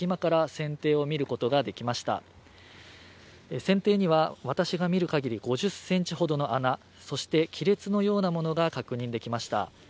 船底には私が見る限り５０ｃｍほどの穴、そして亀裂のようなものが確認できました。